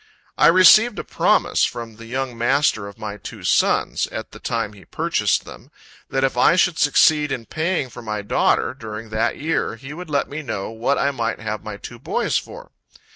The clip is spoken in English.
I received a promise from the young master of my two sons, at the time he purchased them, that if I should succeed in paying for my daughter during that year, he would let me know what I might have my two boys for.